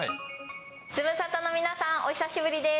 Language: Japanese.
ズムサタの皆さん、お久しぶりです。